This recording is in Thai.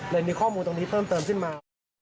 มีข้อมูลตรงนี้เพิ่มเติมขึ้นมา